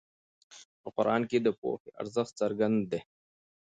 په قرآن کې د پوهې ارزښت څرګند دی.